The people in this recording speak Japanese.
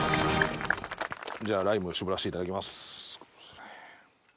じゃあライムを搾らせていただきます。